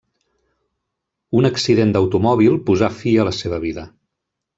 Un accident d'automòbil posà fi a la seva vida.